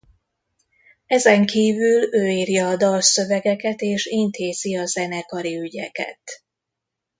Ezen kívül ő írja a dalszövegeket és intézi a zenekari ügyeket.